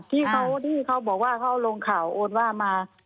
ที่เขาบอกว่าเขาลงข่าวโอนว่ามา